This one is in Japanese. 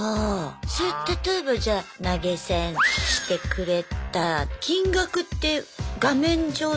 それ例えばじゃあ投げ銭してくれた金額って画面上では分かるんですか？